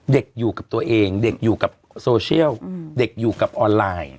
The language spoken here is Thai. เด็กอยู่กับตัวเองเด็กอยู่กับโซเชียลเด็กอยู่กับออนไลน์